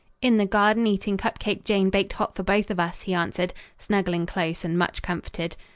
"In the garden eating cup cake Jane baked hot for both of us," he answered, snuggling close and much comforted.